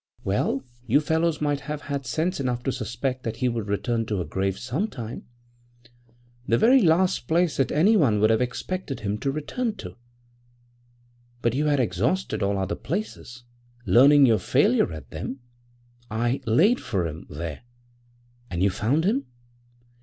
'Well, you fellows might have had sense enough to suspect that he would return to her grave some time!' < 10 > 'The very last place that anyone would have expected him to return to.' 'But you had exhausted all the other places. Learning your failure at them, I "laid for him" there.' 'And you found him?'